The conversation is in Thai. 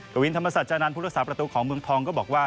กวินธรรมศาสตร์จานานพุทธศาสตร์ประตูของเมืองทองก็บอกว่า